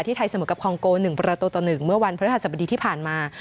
ไทยเสมอกับคองโก๑ประตูต่อ๑เมื่อวันพฤหัสบดีที่ผ่านมา